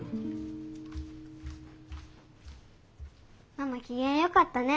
ママ機嫌よかったね。